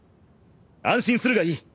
安心するがいい。